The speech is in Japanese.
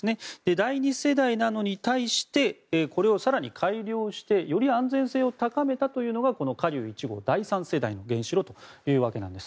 第２世代なのに対してこれを更に改良してより安全性を高めたというのがこの華竜１号第３世代の原子炉です。